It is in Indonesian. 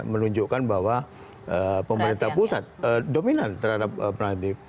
menunjukkan bahwa pemerintah pusat dominan terhadap